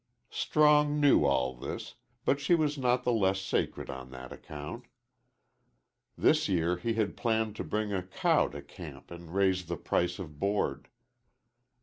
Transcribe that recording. Strong knew all this, but she was not the less sacred on that account. This year he had planned to bring a cow to camp and raise the price of board.